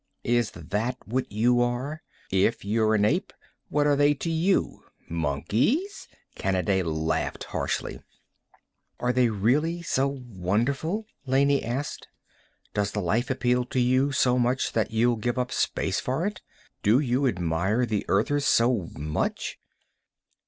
"Is that what you are? If you're an ape, what are they to you? Monkeys?" Kanaday laughed harshly. "Are they really so wonderful?" Laney asked. "Does the life appeal to you so much that you'll give up space for it? Do you admire the Earthers so much?"